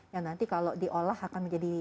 yang nanti kalau diolah akan menjadi